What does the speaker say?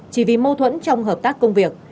chỉ vì mâu thuẫn trong hợp tác công việc